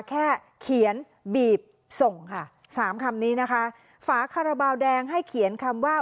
แค่เขียนบีบส่งค่ะสามคำนี้นะคะฝาคาราบาลแดงให้เขียนคำว่า